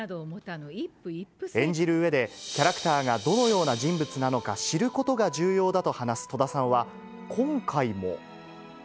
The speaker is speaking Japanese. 演じるうえで、キャラクターがどのような人物なのか知ることが重要だと話す戸田さんは、今回も。